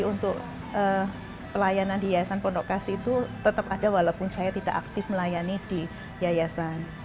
untuk pelayanan di yayasan pondok kasih itu tetap ada walaupun saya tidak aktif melayani di yayasan